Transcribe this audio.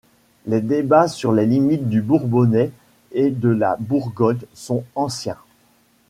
Les débats sur les limites du Bourbonnais et de la Bourgogne sont anciens.